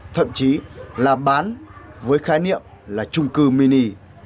thậm chí là bán với khái niệm là trung cư mini